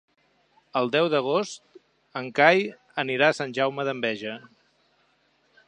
El deu d'agost en Cai anirà a Sant Jaume d'Enveja.